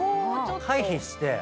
回避して。